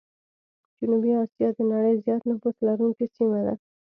جنوبي آسيا د نړۍ زيات نفوس لرونکي سيمه ده.